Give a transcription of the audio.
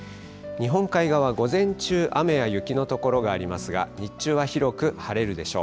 日本海側、午前中、雨や雪の所がありますが、日中は広く晴れるでしょう。